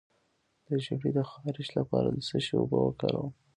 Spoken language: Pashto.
د زیړي د خارښ لپاره د څه شي اوبه وکاروم؟